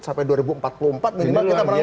sampai dua ribu empat puluh empat minimal ke depan